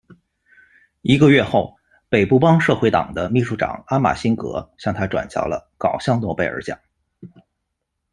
一个月后，北部邦社会党的秘书长阿玛·辛格向他转交了“搞笑诺贝尔奖”。